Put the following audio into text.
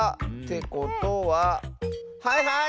てことははいはい！